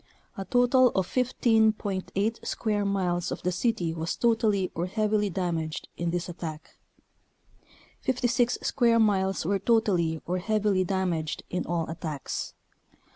A total of 1J.8 square miles of the city was totally or heavily damaged in this at tack; 56 square miles were totally or heavily damaged in all attacks.